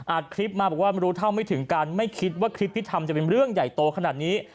คลิปมาบอกว่ารู้เท่าไม่ถึงการไม่คิดว่าคลิปที่ทำจะเป็นเรื่องใหญ่โตขนาดนี้